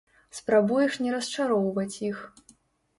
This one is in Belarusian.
Спрабуеш не расчароўваць іх.